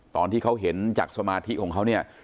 ตอนที่เขาเห็นจากสมาธิของเขาเนี่ย